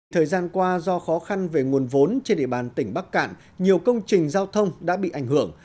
thời gian qua do khó khăn về nguồn vốn trên địa bàn tỉnh bắc cạn nhiều công trình giao thông đã bị ảnh hưởng